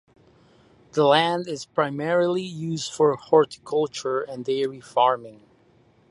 The land is primarily used for horticulture and dairy farming.